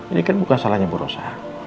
ini kan bukan salahnya bu rosa